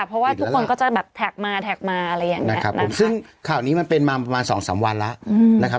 เพราะว่าทุกคนก็จะแบบแท็กมาแท็กมาอะไรอย่างนี้ครับผมซึ่งข่าวนี้มันเป็นมาประมาณสองสามวันแล้วนะครับ